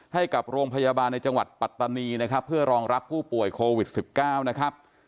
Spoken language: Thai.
ให้กับโรงพยาบาลในจังหวัดปัตตานีนะครับเพื่อรองรับผู้ป่วยโควิด๑๙นะครับ